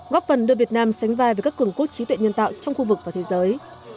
góp phần đưa việt nam sánh vai với các cường cốt trí tuệ nhân tạo trong khu vực và thế giới